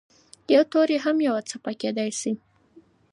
یو توری هم یوه څپه کېدای شي.